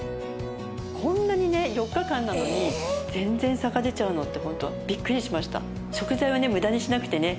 こんなにね４日間なのに全然差が出ちゃうのってホントビックリしました。